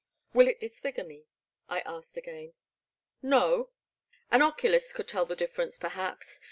Will it disfigure me ?'* I asked again. No, — an oculist could tell the difference per haps.